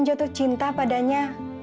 dia juga tuh cinta padanya